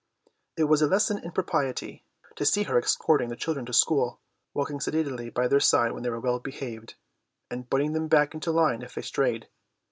It was a lesson in propriety to see her escorting the children to school, walking sedately by their side when they were well behaved, and butting them back into line if they strayed.